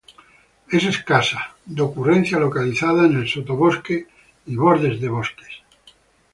Es escasa, de ocurrencia localizada en el sotobosque y bordes de bosques.